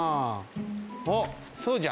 おっそうじゃ。